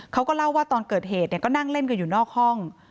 เขาก็เล่าว่าตอนเกิดเหตุก็นั่งเล่นกันอยู่นอกห้อง